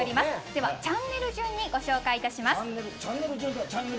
ではチャンネル順にご紹介いたします。